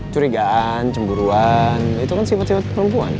curigaan cemburuan itu kan simpat simpat perempuan